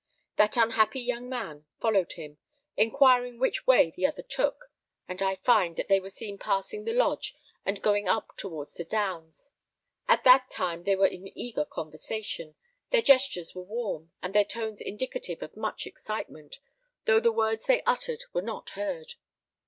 That unhappy young man followed him, inquiring which way the other took, and I find that they were seen passing the lodge, and going up towards the downs. At that time they were in eager conversation; their gestures were warm, and their tones indicative of much excitement, though the words they uttered were not heard.